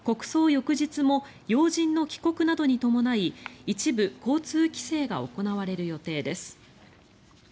翌日も要人の帰国などに伴い一部、交通規制が行われる予定です。